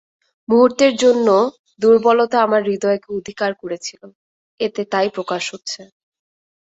মুহূর্তের জন্য দুর্বলতা আমার হৃদয়কে অধিকার করেছিল, এতে তাই প্রকাশ হচ্ছে।